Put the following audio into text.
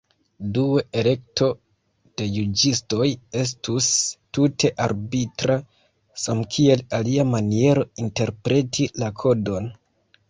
Due, elekto de juĝistoj estus tute arbitra, samkiel ilia maniero interpreti la kodon.